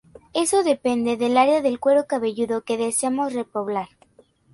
Eso depende del área del cuero cabelludo que deseamos repoblar.